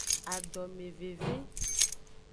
Adomeveve.